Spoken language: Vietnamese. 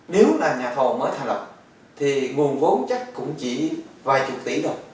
nếu là nhà thầu mới thành lập thì nguồn vốn chắc cũng chỉ vài chục tỷ đồng